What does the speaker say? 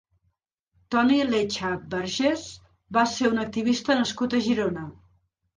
Toni Lecha Berges va ser un activista nascut a Girona.